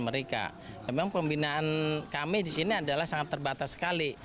memang pembinaan kami di sini adalah sangat terbatas sekali